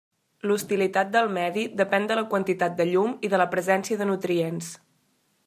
L'hostilitat del medi depèn de la quantitat de llum i de la presència de nutrients.